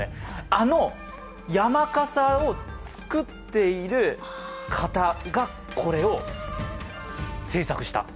あの山笠を作っている方がこれを制作した。